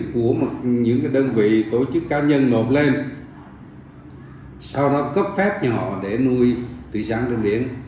của những đơn vị tổ chức cá nhân nộp lên sau đó cấp phép cho họ để nuôi thủy sản trên biển